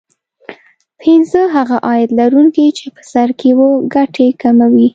پینځه هغه عاید لرونکي چې په سر کې وو ګټې کموي